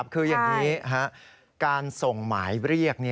คืออย่างนี้การส่งหมายเรียก